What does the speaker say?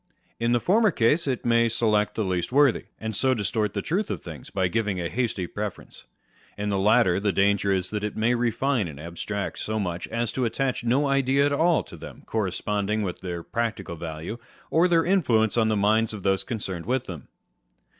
In the former case, it may select the least worthy, and so distort the truth of things, by giving a hasty preference : in the latter, the danger is that it may refine and abstract so much as to attach no idea at all to them corresponding with their practical value, or their influence on the minds of those concerned with them.